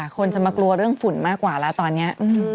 คนจะมากลัวเรื่องฝุ่นมากกว่าแล้วตอนนี้